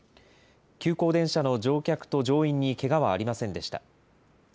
急行電車の乗客と乗員にけがはありませんでした。